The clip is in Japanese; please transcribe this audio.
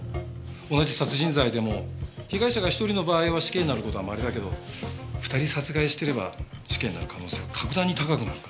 同じ殺人罪でも被害者が１人の場合は死刑になる事はまれだけど２人殺害してれば死刑になる可能性は格段に高くなるから。